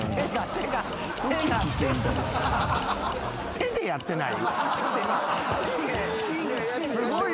手でやってない？